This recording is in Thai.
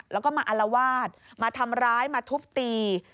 แล้วก็มาอลวาดมาทำร้ายมาทุบตี